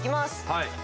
はい。